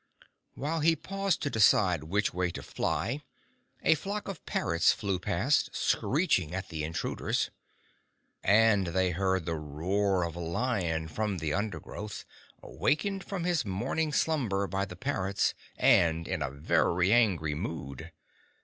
While he paused to decide which way to fly, a flock of parrots flew past, screeching at the intruders. And they heard the roar of a lion from the undergrowth, awakened from his morning slumber by the parrots, and in a very angry mood.